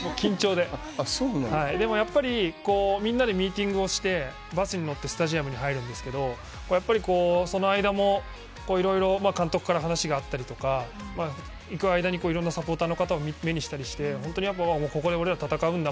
でも、やっぱりみんなでミーティングをしてバスに乗ってスタジアムに入りますがその間もいろいろ監督から話があったりとか行く間に、いろんなサポーターの方たちを目にしたりしてここで俺らは戦うんだ。